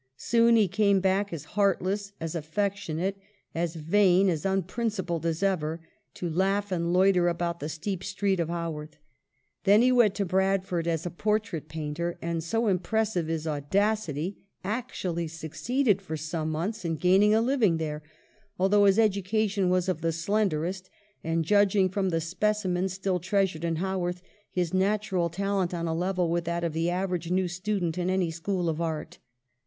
Soon he came back as heartless, as affectionate, as vain, as unprincipled as ever, to laugh and loiter about the steep street of Haworth. Then he went to Bradford as a por trait painter, and — so impressive is audacity — actually succeeded for some months in gaining a living there, although his education was of the slenderest, and, judging from the specimens still treasured in Haworth, his natural talent on a level with that of the average new student in any school of art.